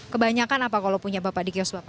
kebanyakan apa kalau punya bapak di kios bapak